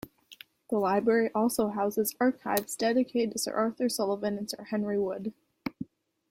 The library also houses archives dedicated to Sir Arthur Sullivan and Sir Henry Wood.